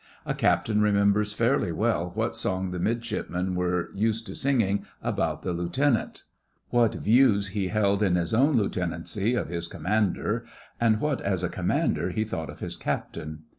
A Captain remembers fairly well what song the Midshipmen were used to sing about the Lieutenant; what views he held in his own Lieutenancy of his Commander, and what as a Commander he thought of his Captain.